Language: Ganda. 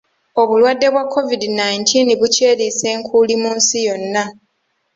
Obulwadde bwa COVID nineteen bukyeriisa enkuuli mu nsi yonna.